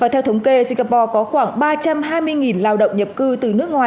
theo thống kê singapore có khoảng ba trăm hai mươi lao động nhập cư